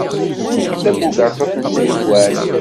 Nekk d tabugaṭut n Saɛid Waɛli.